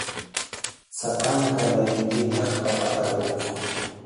Sapanka laymipitaq papa tarpukuq.